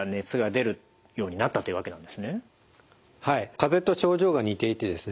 かぜと症状が似ていてですね